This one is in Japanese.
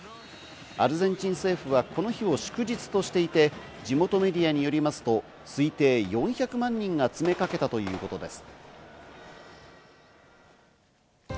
アルゼンチン政府はこの日を祝日として、地元メディアによりますと推定４００万人が詰めかけたということです。